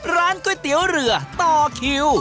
ร้านก๋วยเตี๋ยวเรือต่อคิว